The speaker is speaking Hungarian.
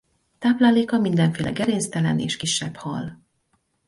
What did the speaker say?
Tápláléka mindenféle gerinctelen és kisebb hal.